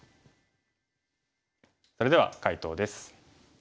それでは解答です。